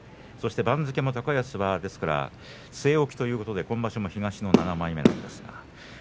そして番付も高安は据え置きということで今場所も東の７枚目です。